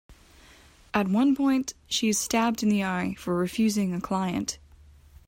At one point, she is stabbed in the eye for refusing a client.